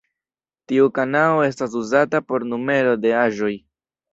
Tiu kanao estas uzata por numero de aĵoj.